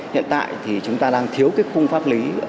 hiện tại thì chúng ta đang thiếu cái khung pháp lý